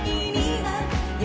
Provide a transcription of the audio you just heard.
はい。